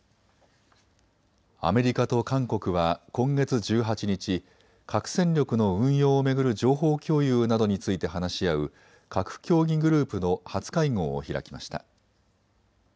アメリカと韓国は今月１８日、核戦力の運用を巡る情報共有などについて話し合う核協議グループの初会合を開きました。